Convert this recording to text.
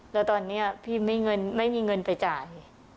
แล้วตอนนี้พี่ไม่มีเงินไปจ่าย